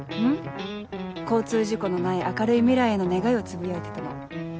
交通事故のない明るい未来への願いをつぶやいてたの。